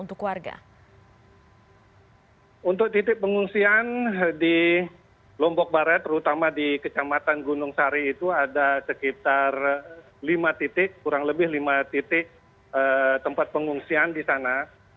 untuk titik pengungsian di lombok barat terutama di kecamatan gunung sari itu ada sekitar lima titik kurang lebih lima titik tempat pengungsian di sana